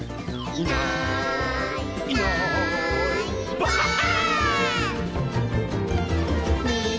「いないいないばあっ！」